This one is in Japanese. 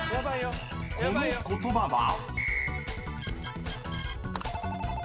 ［この言葉は？］ＯＫ！